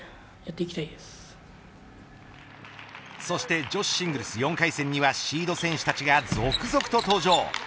そして女子シングルス４回戦にはシード選手たちが続々と登場。